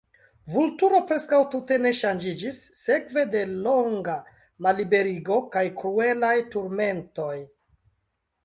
Vulturo preskaŭ tute ne ŝanĝiĝis sekve de longa malliberigo kaj kruelaj turmentoj.